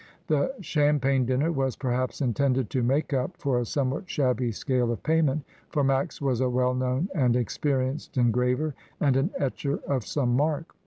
The champagne dinner was, perhaps, intended to make up for a somewhat shabby scale of payment, for Max was a well known and experienced en graver, and an etcher of some mark.